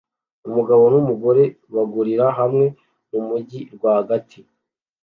Umugabo numugore bagurira hamwe mumujyi rwagati